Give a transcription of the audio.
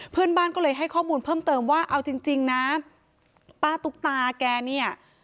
เพื่อนบ้านก็เลยให้ข้อมูลเพิ่มเติมว่าเอาจริงนะป้าตุ๊กตาแกเนี่ย